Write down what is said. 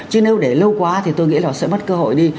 chứ nếu để lâu quá thì tôi nghĩ là sẽ mất cơ hội đi